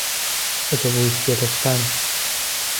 اتوبوس گرفتن